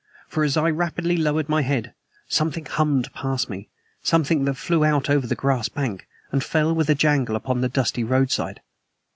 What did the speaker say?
For as I rapidly lowered my head, something hummed past me, something that flew out over the grass bank, and fell with a jangle upon the dusty roadside.